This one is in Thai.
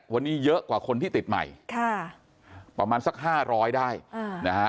วันนี้เยอะกว่าคนที่ติดใหม่ประมาณสัก๕๐๐ได้นะฮะ